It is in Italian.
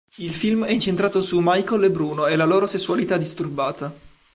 Il film è incentrato su Michael e Bruno e la loro sessualità disturbata.